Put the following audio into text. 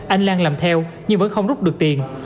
anh lan làm theo nhưng vẫn không rút được tiền